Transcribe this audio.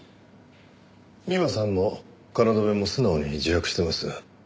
美馬さんも京も素直に自白してます。